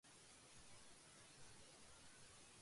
اس نے فون نہیں کیا۔